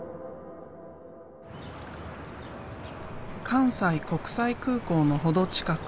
関西国際空港の程近く。